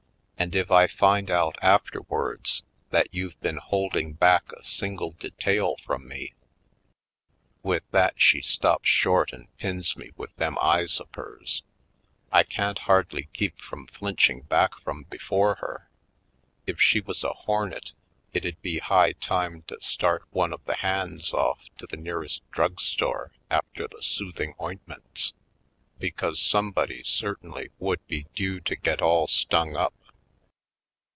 And if I find out afterwards that you've been holding back a single detail from me !" With that she stops short and pins me with them eyes of hers. I can't hardly Lady Like! 209 keep from flinching back from before her. If she was a hornet it'd be high time to start one of the hands oiff to the nearest drugstore after the soothing ointments, be cause somebody certainly would be due to get all stung up.